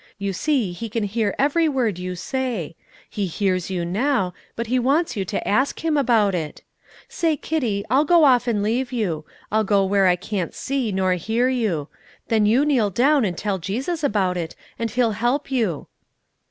You see He can hear every word you say; He hears you now, but He wants you to ask Him about it. Say, Kitty, I'll go off and leave you, I'll go where I can't see nor hear you, then you kneel down and tell Jesus about it, and He'll help you."